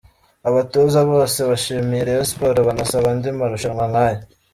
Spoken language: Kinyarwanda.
Abatoza bose bashimiye Rayon Sports banasaba andi marushanwa nk’aya.